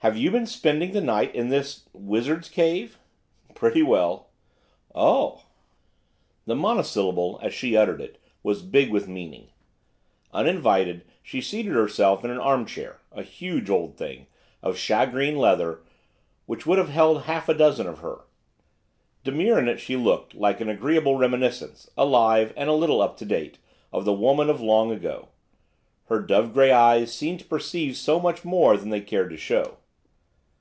'Have you been spending the night in this wizard's cave?' 'Pretty well.' 'Oh!' The monosyllable, as she uttered it, was big with meaning. Uninvited, she seated herself in an arm chair, a huge old thing, of shagreen leather, which would have held half a dozen of her. Demure in it she looked, like an agreeable reminiscence, alive, and a little up to date, of the women of long ago. Her dove grey eyes seemed to perceive so much more than they cared to show.